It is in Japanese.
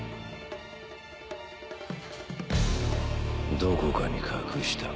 どこかに隠したか。